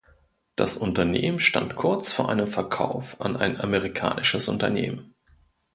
Das Unternehmen stand kurz vor einem Verkauf an ein amerikanisches Unternehmen.